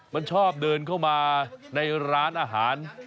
มันชอบเดินเข้ามาในร้านอาหาร